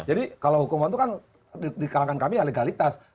jadi kalau hukuman itu kan di kalangan kami ya legalitas